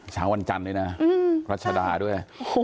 ช้างวันจันทร์เลยนะรัฐชดาด้วย